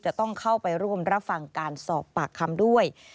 จะต้องเข้าไปร่วมรับฟังการสอบปากคำด้วย